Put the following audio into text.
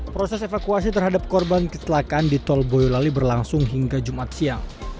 proses evakuasi terhadap korban kecelakaan di tol boyolali berlangsung hingga jumat siang